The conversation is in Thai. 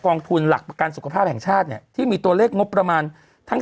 ทุนหลักประกันสุขภาพแห่งชาติเนี่ยที่มีตัวเลขงบประมาณทั้ง